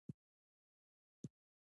مینه د ماشوم زړونه ساتي.